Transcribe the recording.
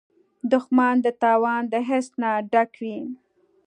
دښمن د تاوان د حس نه ډک وي